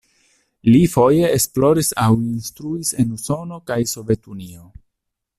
Li foje esploris aŭ instruis en Usono kaj Sovetunio.